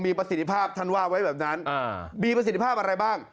มีประสิทธิภาพท่านว่าไว้แบบนั้นมีประสิทธิภาพอะไรบ้าง